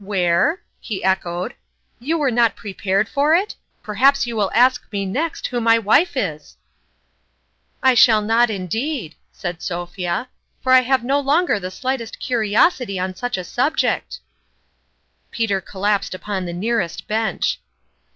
Where?" he echoed. "You were not prepared for it ? Perhaps you will ask me next who my wife is !"" I shall not indeed," said Sophia, " for I have no longer the slightest curiosity on such a subject !" Contpotmb Interest. 177 Peter collapsed upon the nearest bench.